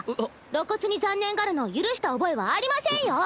露骨に残念がるのを許した覚えはありませんよ。